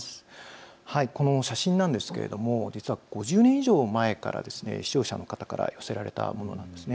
この写真なんですが実は５０年以上前から視聴者の方から寄せられたものなんです。